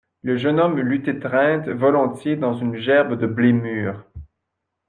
Le jeune homme l'eût étreinte volontiers dans une gerbe de blé mûr.